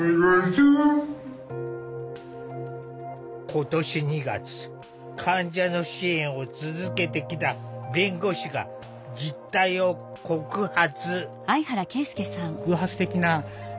今年２月患者の支援を続けてきた弁護士が実態を告発。